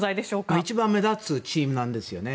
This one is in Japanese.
一番目立つチームなんですよね。